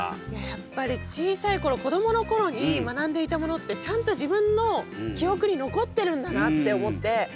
やっぱり小さい頃子どもの頃に学んでいたものってちゃんと自分の記憶に残ってるんだなって思って。